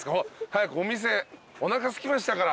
早くお店おなかすきましたから。